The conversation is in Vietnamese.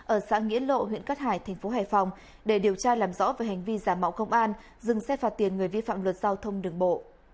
ở xã nghĩa lộ huyện cát hải thành phố hải phòng để điều tra làm rõ về hành vi giả mạo công an dừng xe phạt tiền người vi phạm luật giao thông đường bộ